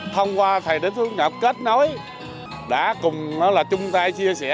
thông qua thầy đức phước ngọc kết nối đã cùng chung tay chia sẻ